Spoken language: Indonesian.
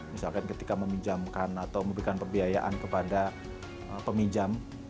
misalkan ketika meminjamkan atau memberikan pembiayaan kepada peminjam